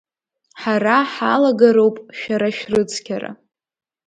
Ҳара ҳалагароуп шәара шәрыцқьара.